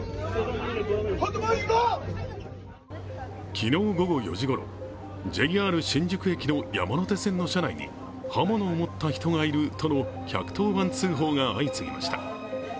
昨日午後４時ごろ、ＪＲ新宿駅の山手線の車内に刃物を持った人がいるとの１１０番通報が相次ぎました。